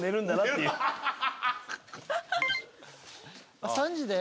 あっ３時で。